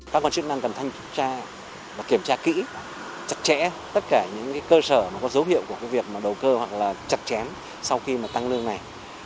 các con chức năng cần thanh kiểm tra và kiểm tra kỹ chặt chẽ tất cả những cơ sở có dấu hiệu của việc đầu cơ hoặc chặt chém sau khi tăng lương này